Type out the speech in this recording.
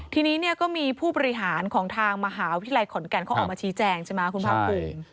ทีนี้เนี่ยก็มีผู้บริหารของทางมหาวิทยาลัยขอนแก่นเขาออกมาชี้แจงใช่ไหมคุณภาคภูมิ